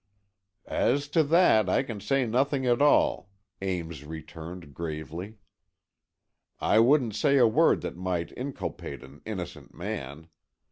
"As to that I can say nothing at all," Ames returned, gravely. "I wouldn't say a word that might inculpate an innocent man.